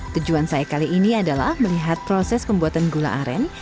tujuan saya kali ini adalah melihat proses pembuatan gula aren